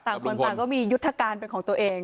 คนต่างก็มียุทธการเป็นของตัวเอง